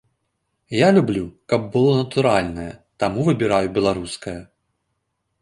Я люблю, каб было натуральнае, таму выбіраю беларускае.